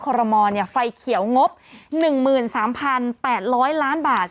รมอลไฟเขียวงบ๑๓๘๐๐ล้านบาท